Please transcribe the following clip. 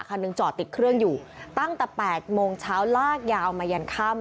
คันหนึ่งจอดติดเครื่องอยู่ตั้งแต่๘โมงเช้าลากยาวมายันค่ำ